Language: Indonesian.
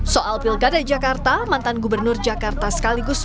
soal pilkada jakarta mantan gubernur jakarta sekaligus